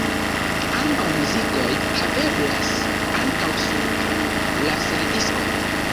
Ambaŭ muzikoj haveblas ankaŭ sur aŭd-laserdisko.